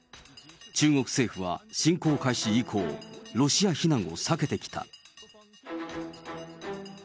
中国政府は、侵攻開始以降、ロシア非難を避けてきた。